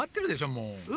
もう。